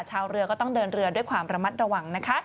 ชาวเรือก็ต้องเดินเรือด้วยความระมัดระวังนะคะ